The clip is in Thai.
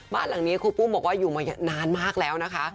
บ้านหลังนี้ครูปุ้มบอกว่าอยู่มานานมากแล้วนะคะ